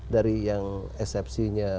dari yang eksepsinya